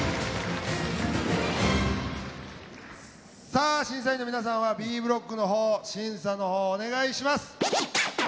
さあ審査員の皆さんはＢブロックの方審査の方お願いします。